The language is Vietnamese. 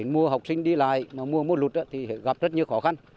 mùa học sinh đi lại mùa mưa lụt thì gặp rất nhiều khó khăn